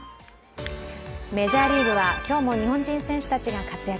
メジャーリーグは今日も日本人選手たちが活躍。